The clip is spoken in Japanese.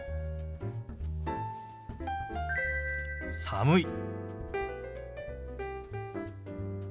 「寒い」。